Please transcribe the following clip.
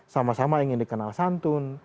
sama sama ingin dikenal santun